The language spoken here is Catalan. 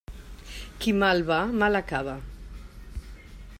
Qui mal va, mal acaba.